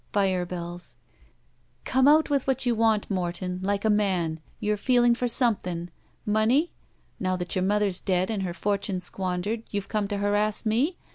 Pire bells. "Come out with what you want, Morton, like a man! You're feeling for something. Money? Now that your mother is dead and her forttme squandered, you've come to harass me?